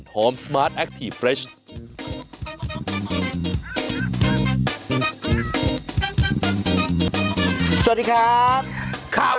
ไหมมัยแบบขอแล้ว